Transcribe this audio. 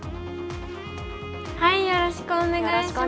よろしくお願いします。